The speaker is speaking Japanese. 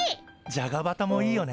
じゃがバタもいいよね。